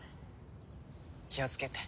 気をつけて。